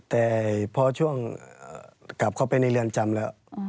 แต่พอช่วงกลับเข้าไปในเรือนจำแล้ว